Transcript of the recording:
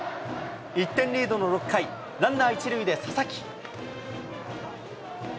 １点リードの６回、ランナー１塁で佐々木。